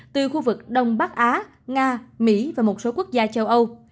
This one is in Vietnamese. từ khu vực đông bắc á nga mỹ và một số quốc gia châu âu